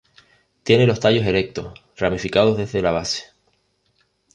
Tiene los tallos erectos, ramificados desde la base.